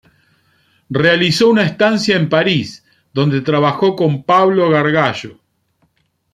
Realizó una estancia en París, donde trabajó con Pablo Gargallo.